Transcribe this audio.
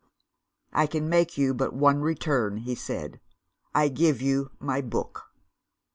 "I can make you but one return,' he said; 'I give you my book.